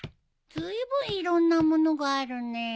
ずいぶんいろんな物があるねえ。